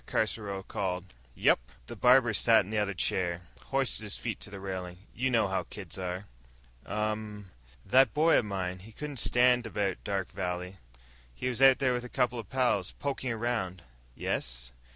Caruso called. "Yep." The barber sat in the other chair, hoisted his feet to the railing. "You know how kids are." "Um." "That boy of mine, he couldn't stand it about Dark Valley. He was out there with a couple of pals, poking around." "Yes?"